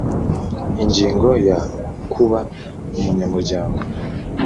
Ingingo ya kuba umunyamuryango